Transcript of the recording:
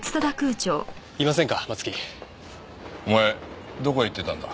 お前どこへ行ってたんだ？